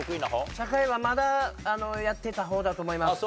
社会はまだやっていた方だと思います。